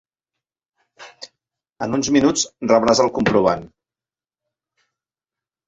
En uns minuts rebràs el comprovant.